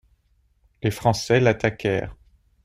Les Français l’attaquèrent.